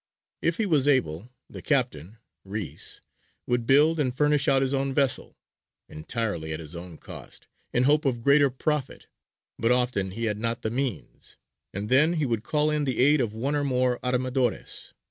If he was able, the captain (Reïs) would build and furnish out his own vessel, entirely at his own cost, in hope of greater profit; but often he had not the means, and then he would call in the aid of one or more armadores.